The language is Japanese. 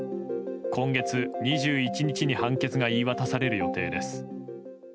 今月２１日に判決が言い渡される予定です。